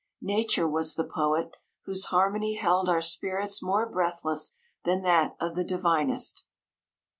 Na ture was the poet, whose harmony held our spirits more breathless than that of the divinest.